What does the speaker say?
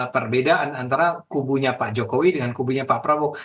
perbedaan antara kubunya pak jokowi dengan kubunya pak prabowo